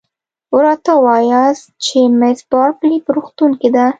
راته ووایاست چي مس بارکلي په روغتون کې ده؟